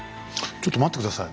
ちょっと待って下さい。